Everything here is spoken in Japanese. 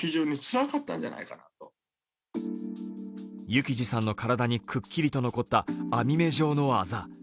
幸士さんの体にくっきりと残った網目状のあざ。